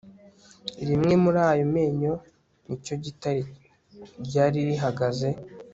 rimwe muri ayo menyo y'icyo gitare ryari rihagaze